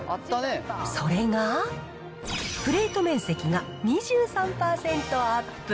それが、プレート面積が２３％アップ。